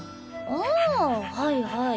あはいはい。